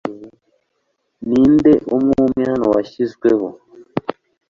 Ninde umwe umwe hano washyizweho